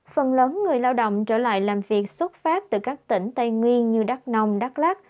phần lớn người lao động trở lại làm việc xuất phát từ các tỉnh tây nguyên như đắk